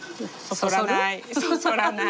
そそらない。